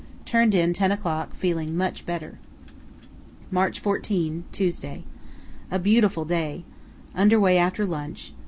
Turned in 10 o'clock, feeling much better. "March 14, Tuesday.—A beautiful day. Under way after lunch.